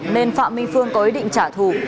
nên phạm minh phương có ý định trả thù